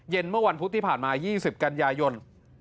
เมื่อวันพุธที่ผ่านมา๒๐กันยายน